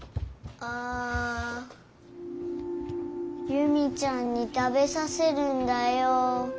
夕実ちゃんに食べさせるんだよ。